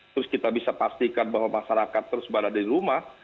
terus kita bisa pastikan bahwa masyarakat terus berada di rumah